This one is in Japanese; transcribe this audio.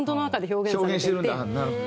表現してるんだ。